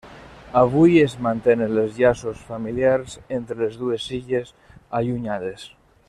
Avui es mantenen els llaços familiars entre les dues illes allunyades.